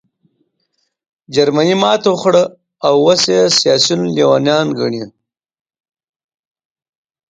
جرمني ماتې وخوړه او اوس یې سیاسیون لېونیان ګڼې